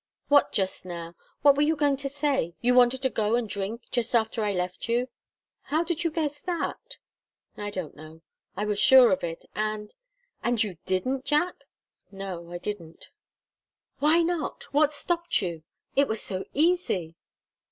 "What 'just now'? What were you going to say? You wanted to go and drink, just after I left you?" "How did you guess that?" "I don't know. I was sure of it. And and you didn't, Jack?" "No, I didn't." "Why not? What stopped you? It was so easy!"